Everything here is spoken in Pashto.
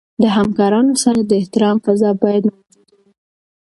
د همکارانو سره د احترام فضا باید موجوده وي.